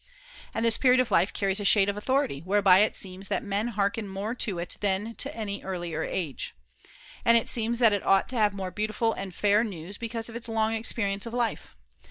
^ And this period of life carries a shade of authority, whereby it seems that men hearken more to it than to any earlier age. And it seems that it ought to have more beautiful and fair [^1503 news because of its long experience of life.